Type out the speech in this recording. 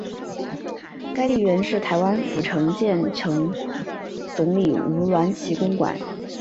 该地原是台湾府城建城总理吴鸾旗公馆。